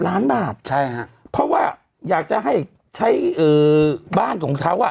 ล้านบาทใช่ฮะเพราะว่าอยากจะให้ใช้บ้านของเขาอ่ะ